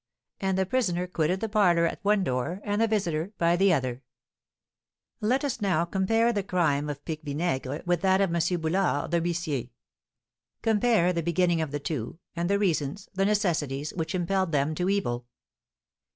And the prisoner quitted the parlour at one door, and the visitor by the other. Let us now compare the crime of Pique Vinaigre with that of M. Boulard, the huissier. Compare the beginning of the two, and the reasons, the necessities, which impelled them to evil.